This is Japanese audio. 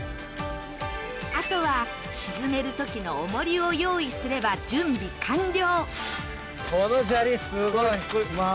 あとは沈めるときとの重りを用意すれば準備完了。